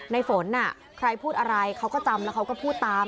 ในฝนใครพูดอะไรเขาก็จำแล้วเขาก็พูดตาม